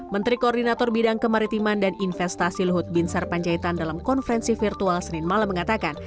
menteri koordinator bidang kemaritiman dan investasi luhut binsar panjaitan dalam konferensi virtual senin malam mengatakan